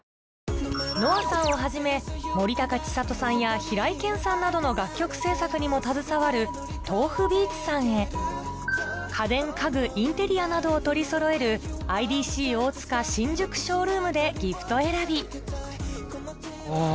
ＮＯＡさんをはじめ森高千里さんや平井堅さんなどの楽曲制作にも携わるｔｏｆｕｂｅａｔｓさんへ家電家具インテリアなどを取りそろえる「ＩＤＣＯＴＳＵＫＡ新宿ショールーム」でギフト選びうわぁ